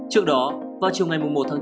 trước đó vào chiều ngày một tháng chín